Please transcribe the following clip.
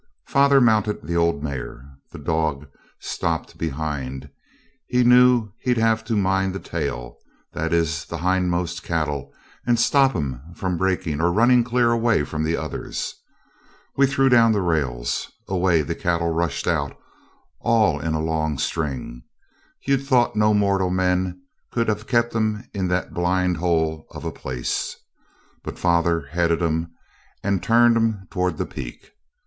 Father mounted the old mare. The dog stopped behind; he knew he'd have to mind the tail that is the hindmost cattle and stop 'em from breaking or running clear away from the others. We threw down the rails. Away the cattle rushed out, all in a long string. You'd 'a thought no mortal men could 'a kept 'em in that blind hole of a place. But father headed 'em, and turned 'em towards the peak.